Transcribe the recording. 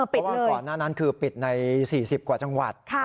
เพราะว่าก่อนหน้านั้นคือปิดใน๔๐กว่าจังหวัด